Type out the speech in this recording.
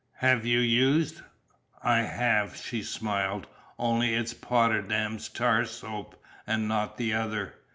Have you used " "I have," she smiled. "Only it's Potterdam's Tar Soap, and not the other.